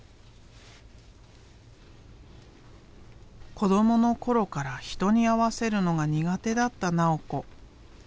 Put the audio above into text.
子どもの頃から人に合わせるのが苦手だった直子。